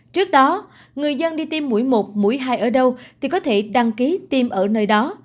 trước đó người dân đi tiêm mũi một mũi hai ở đâu thì có thể đăng ký tiêm ở nơi đó